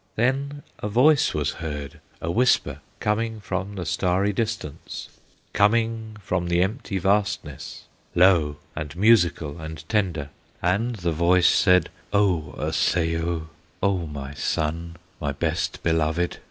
"Then a voice was heard, a whisper, Coming from the starry distance, Coming from the empty vastness, Low, and musical, and tender; And the voice said: 'O Osseo! O my son, my best beloved!